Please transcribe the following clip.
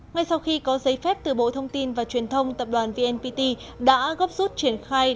ngay sau khi có giấy phép từ bộ thông tin và truyền thông tập đoàn vnpt đã gấp rút triển khai